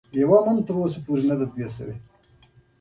د خوړلو او مصرف نېټې ته باید پاملرنه وشي په پښتو کې.